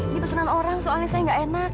ini pesanan orang soalnya saya nggak enak